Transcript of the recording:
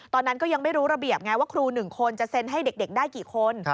ตอนนั้นก็ยังไม่รู้ระเบียบไงว่าครู๑คนจะเซ็นให้เด็กได้กี่คน